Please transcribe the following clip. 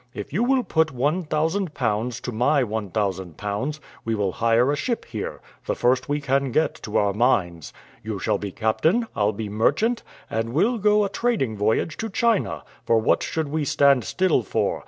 If you will put one thousand pounds to my one thousand pounds, we will hire a ship here, the first we can get to our minds. You shall be captain, I'll be merchant, and we'll go a trading voyage to China; for what should we stand still for?